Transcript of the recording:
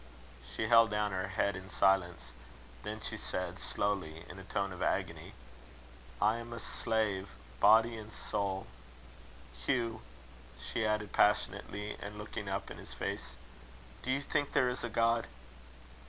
She held down her head in silence. Then she said, slowly, in a tone of agony: "I am a slave, body and soul. Hugh!" she added, passionately, and looking up in his face, "do you think there is a God?"